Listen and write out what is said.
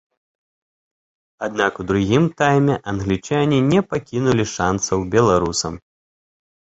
Аднак у другім тайме англічане не пакінулі шанцаў беларусам.